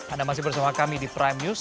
anda masih bersama kami di prime news